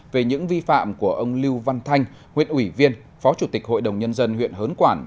về những vi phạm của ông lưu văn thanh huyện ủy viên phó chủ tịch hội đồng nhân dân huyện hớn quản